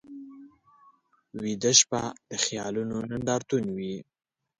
ویده شپه د خیالونو نندارتون وي